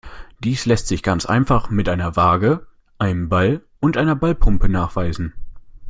Dies lässt sich ganz einfach mit einer Waage, einem Ball und einer Ballpumpe nachweisen.